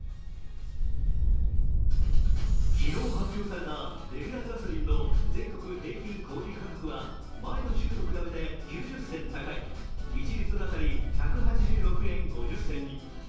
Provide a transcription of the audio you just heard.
昨日発表されたレギュラーガソリンの全国平均小売価格は前の週と比べて９０銭高い１リットル当たり１８６円５０銭に。